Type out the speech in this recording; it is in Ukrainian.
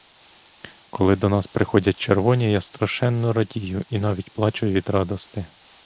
Коли до нас приходять червоні, я страшенно радію і навіть плачу від радости.